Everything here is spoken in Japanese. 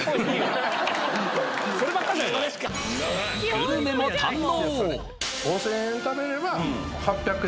グルメも堪能